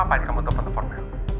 mau apaan kamu telfon tefon mel